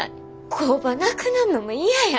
工場なくなんのも嫌や。